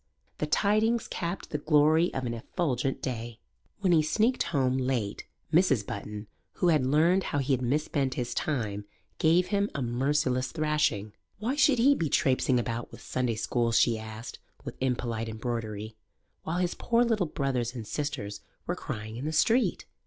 The tidings capped the glory of an effulgent day. When he sneaked home late Mrs. Button, who had learned how he had misspent his time, gave him a merciless thrashing. Why should he be trapesing about with Sunday schools, she asked, with impolite embroidery, while his poor little brothers and sisters were crying in the street?